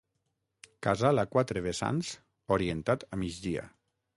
Casal a quatre vessants, orientat a migdia.